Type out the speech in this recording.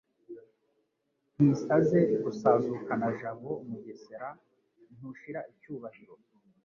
Ntisaze Rusazukana-jabo Mugesera ntushira icyubahiro